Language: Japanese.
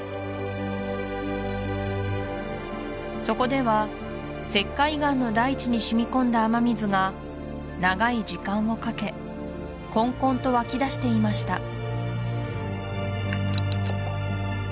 そこでは石灰岩の大地にしみ込んだ雨水が長い時間をかけこんこんと湧き出していました